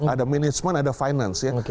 ada management ada finance ya